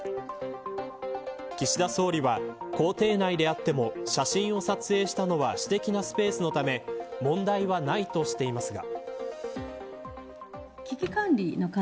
岸田総理は公邸内であっても写真を撮影したのは私的なスペースのため問題はないとしていますが。